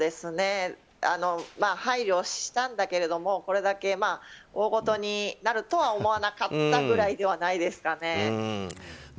配慮したんだけれどもこれだけ大ごとになるとは思わなかったぐらいではないですかね。